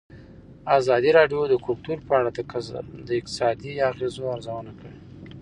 ازادي راډیو د کلتور په اړه د اقتصادي اغېزو ارزونه کړې.